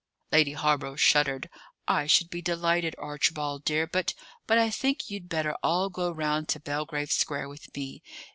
Lady Hawborough shuddered. "I should be delighted, Archibald dear, but but I think you'd better all go round to Belgrave Square with me.